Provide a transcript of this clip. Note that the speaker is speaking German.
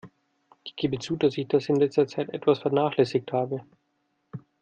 Ich gebe zu, dass ich das in letzter Zeit etwas vernachlässigt habe.